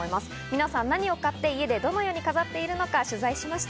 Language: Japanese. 皆さん、何を買って、どのように飾っているのか取材しました。